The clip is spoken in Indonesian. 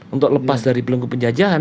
untuk lepas dari belenggu penjajahan